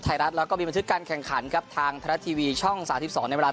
รัฐแล้วก็มีบันทึกการแข่งขันครับทางไทยรัฐทีวีช่อง๓๒ในเวลา